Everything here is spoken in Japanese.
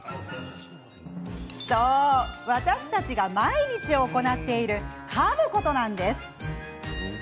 そう、私たちが毎日行っているかむことなんです。